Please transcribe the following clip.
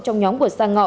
trong nhóm của sang ngọ